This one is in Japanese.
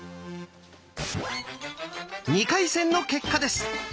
２回戦の結果です。